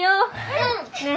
うん！